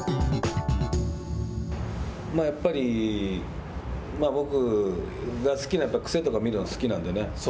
やっぱり僕が好きなやっぱり癖とか見るのが好きなんでね。